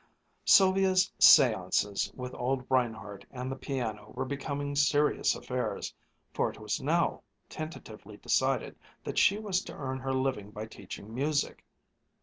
Sylvia's séances with old Reinhardt and the piano were becoming serious affairs: for it was now tentatively decided that she was to earn her living by teaching music.